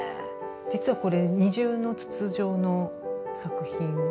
実はこれ二重の筒状の作品で。